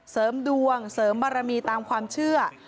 เสริมดวงเสริมบารมีตามความเชื่อ